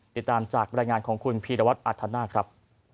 ติดตามจากบรรยายงานของคุณพีรวัตรอัธนาคครับ